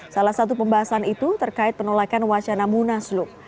salah satu pembahasan itu terkait penolakan wacana munaslup